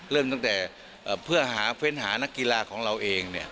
เริ่มตั้งแต่เพื่อหาเฟ้นหานักกีฬาของเราเอง